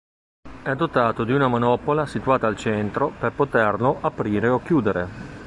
È dotato di una manopola situata al centro per poterlo aprire o chiudere.